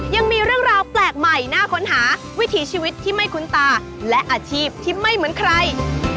ยังมีเรื่องราวแปลกใหม่น่าค้นหาวิถีชีวิตที่ไม่คุ้นตาและอาชีพที่ไม่เหมือนใคร